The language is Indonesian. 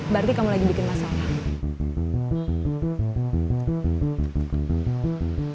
berarti kamu lagi bikin masalah